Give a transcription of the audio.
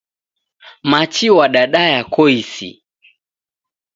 Machi wadadaya koisi.